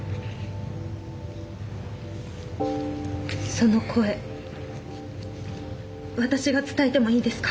その声私が伝えてもいいですか？